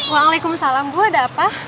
waalaikumsalam bu ada apa